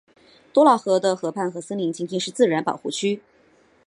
多瑙河的河畔和森林今天是自然保护区。